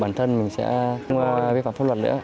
bản thân mình sẽ không vi phạm pháp luật nữa